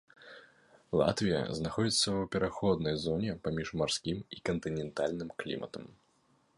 Латвія знаходзіцца ў пераходнай зоне паміж марскім і кантынентальным кліматам.